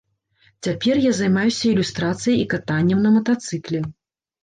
Цяпер я займаюся ілюстрацыяй і катаннем на матацыкле.